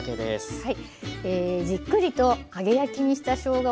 はい。